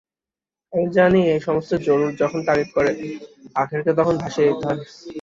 আমি জানি, এই সমস্ত জরুর যখন তাগিদ করে আখেরকে তখন ভাসিয়ে দিতে হয়।